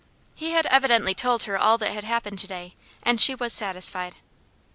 He had evidently told her all that had happened to day, and she was satisfied.